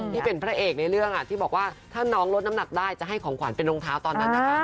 ที่เป็นพระเอกในเรื่องที่บอกว่าถ้าน้องลดน้ำหนักได้จะให้ของขวัญเป็นรองเท้าตอนนั้นนะคะ